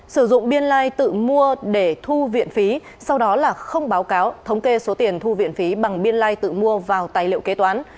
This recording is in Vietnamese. sử dụng biên lai tự mua để thu viện phí sau đó là không báo cáo thống kê số tiền thu viện phí bằng biên lai tự mua vào tài liệu kế toán